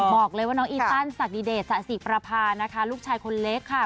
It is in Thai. บอกเลยว่าน้องอีตันสดิเดชสะสิประพานะคะลูกชายคนเล็กค่ะ